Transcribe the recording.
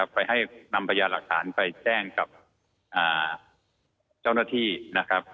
ไปให้นำพยานหลักฐานไปแจ้งกับเจ้าหน้าที่นะครับ